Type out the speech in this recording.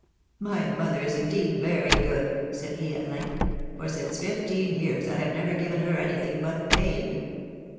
My mother is indeed very good," said he, at length ; ^Hor since fifteen years I have never given her anything but pain."